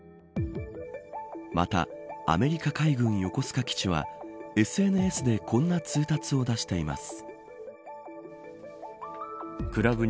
またアメリカ海軍、横須賀基地はＳＮＳでこんな通達を出しています。